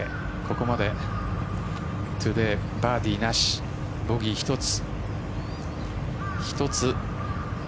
ここまでトゥデーバーディーなし、ボギー１つ。